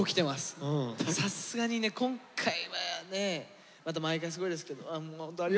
さすがにね今回はねまた毎回すごいですけど。